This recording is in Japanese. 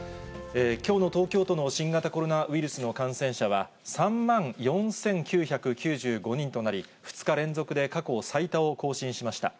きょうの東京都の新型コロナウイルスの感染者は、３万４９９５人となり、２日連続で過去最多を更新しました。